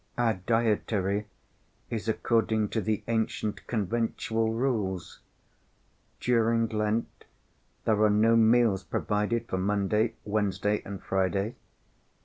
"Our dietary is according to the ancient conventual rules. During Lent there are no meals provided for Monday, Wednesday, and Friday.